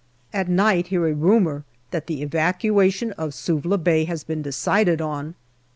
At night hear a rumour that the evacuation of Suvla Bay has been decided on.